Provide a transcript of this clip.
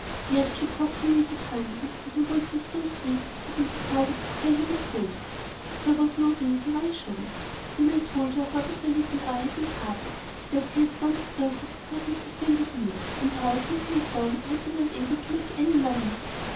Yet she talked to me so kindly and her voice was so sweet, that I decided to tell her the truth. There was no reason why I should not. Then I told her how Vitalis and I had been parted, that he had gone to prison because he had defended me, and how since he had gone I had been unable to make any money.